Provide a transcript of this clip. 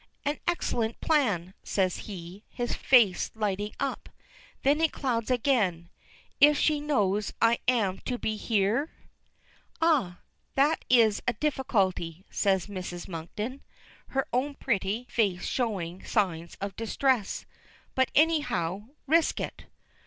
"An excellent plan," says he, his face lighting up. Then it clouds again. "If she knows I am to be here?" "Ah! that is a difficulty," says Mrs. Monkton, her own pretty face showing signs of distress. "But anyhow, risk it."